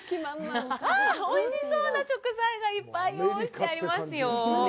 あ、おいしそうな食材がいっぱい用意してありますよ。